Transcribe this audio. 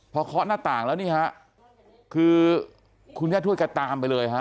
พอเคาะหน้าต่างแล้วนี่ฮะคือคุณย่าทวดแกตามไปเลยฮะ